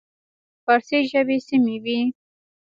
فارسي ژبې سیمې وې.